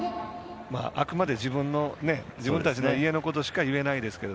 あくまで自分たちの家のことしか言えないですけど。